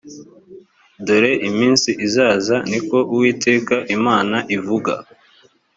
dore iminsi izaza ni ko uwiteka imana ivuga